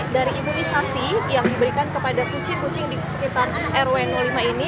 dari imunisasi yang diberikan kepada kucing kucing di sekitar rw lima ini